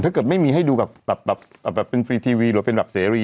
ถ้าเกิดไม่มีให้ดูแบบเป็นฟรีทีวีหรือเป็นแบบเสรี